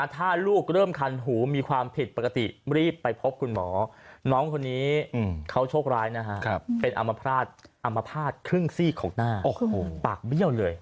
ถ้าลูกเริ่มคันหูมีความผิดปกติรีบไปพบคุณหมอน้องคนนี้เขาโชคร้ายนะฮะเป็นอมภาษณ์ครึ่งซีกของหน้าปากเบี้ยวเลย